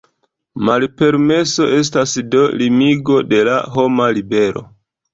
Malpermeso estas do limigo de la homa libero.